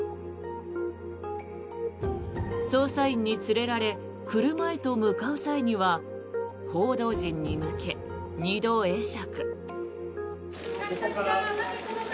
捜査員に連れられ車へと向かう際には報道陣に向け、２度会釈。